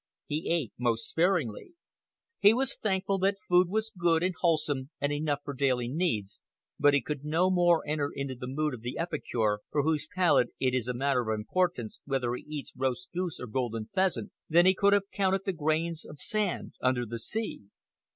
He ate most sparingly. He was thankful that food was good and wholesome and enough for daily needs, but he could no more enter into the mood of the epicure for whose palate it is a matter of importance whether he eats roast goose or golden pheasant, than he could have counted the grains of sand under the sea.